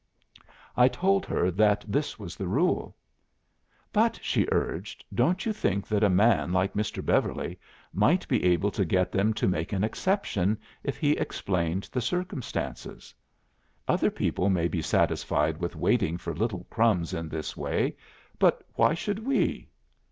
I told her that this was the rule. 'But,' she urged, 'don't you think that a man like Mr. Beverly might be able to get them to make an exception if he explained the circumstances? Other people may be satisfied with waiting for little crumbs in this way, but why should we?